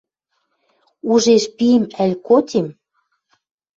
Ужеш пим ӓль котим —